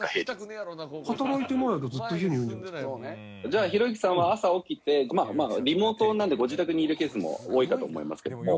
じゃあひろゆきさんは朝起きてまあリモートなのでご自宅にいるケースも多いかと思いますけども。